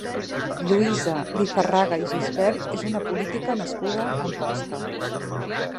Lluïsa Lizarraga i Gisbert és una política nascuda a Amposta.